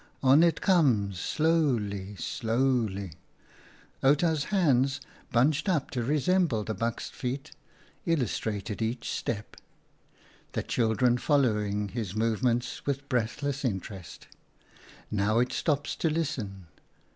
On it comes, slowly, slowly" — Outa's hands, bunched up to resemble the buck's feet, illustrated each step, the children following his movements with breathless interest. " Now it stops to listen."